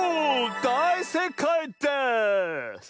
だいせいかいです！